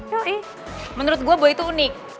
yoi menurut gue boy itu unik